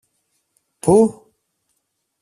Πού;